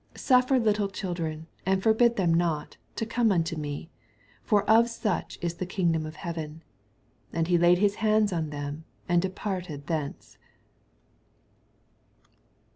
Suffer little chil dren, and forbid them not, to come unto me : for of such is the kingdom of heaven. 15 And he laid his hands on them, and departed thence.